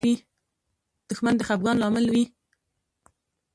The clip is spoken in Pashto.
دښمن د خفګان لامل وي